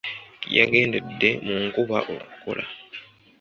Yagendedde mu nkuba okukola.